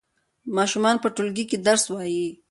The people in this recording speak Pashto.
ماشومان په ټولګي کې درس وايي.